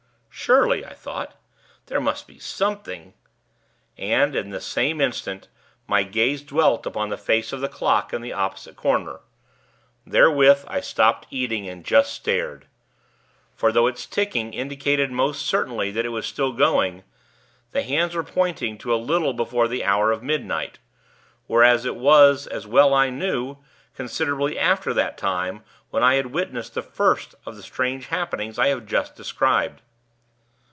'Surely,' I thought, 'there must be something ' And, in the same instant, my gaze dwelt upon the face of the clock in the opposite corner. Therewith, I stopped eating, and just stared. For, though its ticking indicated most certainly that it was still going, the hands were pointing to a little before the hour of midnight; whereas it was, as well I knew, considerably after that time when I had witnessed the first of the strange happenings I have just described.